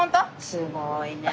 すごいね。